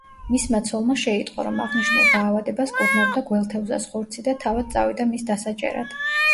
მისმა ცოლმა შეიტყო, რომ აღნიშნულ დაავადებას კურნავდა გველთევზას ხორცი და თავად წავიდა მის დასაჭერად.